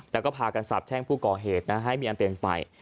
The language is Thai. แล้วก็พากันสาบแช่งผู้ก่อเหตุให้มีอันเป็นไป